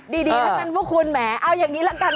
ดีแล้วกันพวกคุณแหมเอาอย่างนี้ละกัน